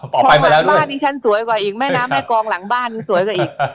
พอมาบ้านนี้ฉันสวยกว่าอีกแม่น้ำแม่กองหลังบ้านสวยกว่าอีก